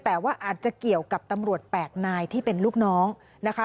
แต่ว่าอาจจะเกี่ยวกับตำรวจ๘นายที่เป็นลูกน้องนะคะ